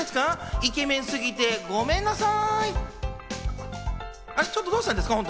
イケメンすぎてごめんなさい。